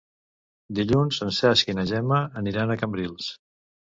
Dilluns en Cesc i na Gemma aniran a Cambrils.